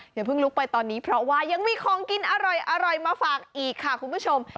อย่าเพิ่งลุกไปตอนนี้เพราะว่ายังมีของกินอร่อยมาฝากอีกค่ะคุณผู้ชม